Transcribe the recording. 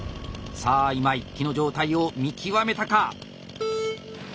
さあ今井木の状態を見極めたか。